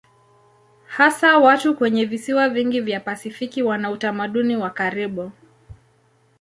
Hasa watu kwenye visiwa vingi vya Pasifiki wana utamaduni wa karibu.